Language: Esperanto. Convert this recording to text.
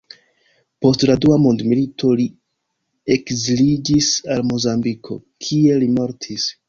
Post la Dua Mondmilito, li ekziliĝis al Mozambiko, kie li mortis.